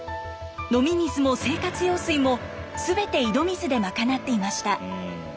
飲み水も生活用水も全て井戸水で賄っていました。